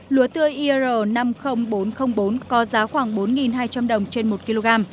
lúa tươi ir năm mươi nghìn bốn trăm linh bốn có giá khoảng bốn hai trăm linh đồng trên một kg